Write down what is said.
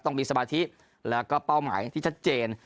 ทีมไทยยังไม่จบนะครับต้องมีสมาธิแล้วก็เป้าหมายที่ชัดเจน